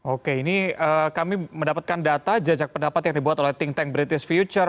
oke ini kami mendapatkan data jajak pendapat yang dibuat oleh think tank british future